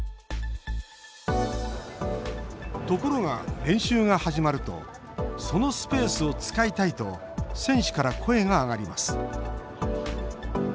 ところが、練習が始まるとそのスペースを使いたいと選手から声が上がります